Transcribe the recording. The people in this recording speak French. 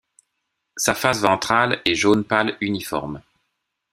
Sa face ventrale est jaune pâle uniforme.